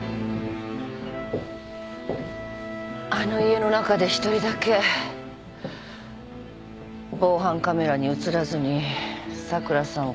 あの家の中で一人だけ防犯カメラに映らずに桜さんを殺せた人がいるの。